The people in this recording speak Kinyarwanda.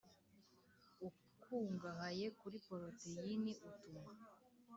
ukungahaye kuri poroteyine utuma